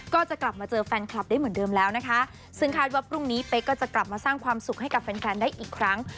ก็จะกลับมาเจอแฟนคลับได้เหมือนเดิมแล้วนะคะซึ่งคาดว่าพรุ่งนี้เป๊กก็จะกลับมาสร้างความสุขให้กับแฟนแฟนได้อีกครั้ง